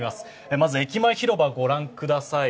まず駅前広場をご覧ください。